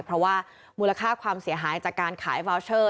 เพราะว่ามูลค่าความเสียหายจากการขายวาวเชอร์